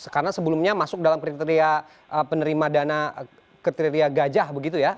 karena sebelumnya masuk dalam kriteria penerima dana kriteria gajah begitu ya